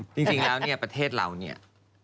จริงแล้วเนี่ยประเทศเราเนี่ย